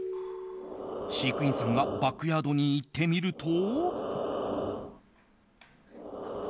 飼育員さんがバックヤードに行ってみると。